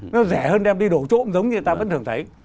nó rẻ hơn đem đi đổ trộm giống như người ta vẫn thường thấy